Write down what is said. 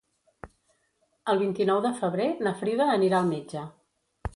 El vint-i-nou de febrer na Frida anirà al metge.